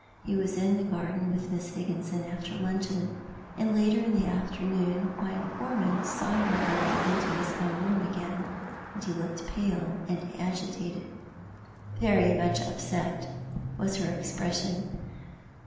He was in the garden with Miss Higginson after luncheon ; and later in the afternoon my informant saw him going into his own room again, and he looked pale and agitated —" Very much upset " was her expression.